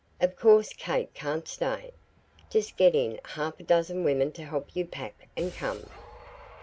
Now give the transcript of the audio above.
Of course Kate can't stay. Just get in half a dozen women to help you pack, and come."